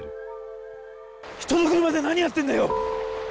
人の車で何やってんだよ！